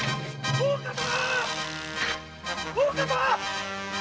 大岡様！